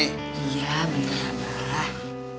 iya bener abah